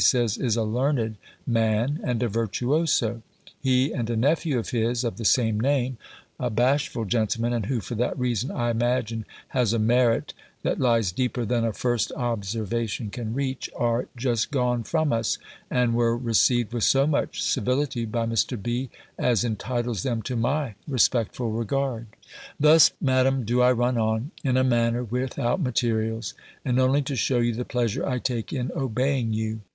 says, is a learned) man, and a virtuoso: he, and a nephew of his, of the same name, a bashful gentleman, and who, for that reason, I imagine, has a merit that lies deeper than a first observation can reach, are just gone from us, and were received with so much civility by Mr. B. as entitles them to my respectful regard. Thus, Madam, do I run on, in a manner, without materials; and only to shew you the pleasure I take in obeying you.